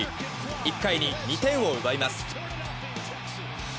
１回に２点を奪います。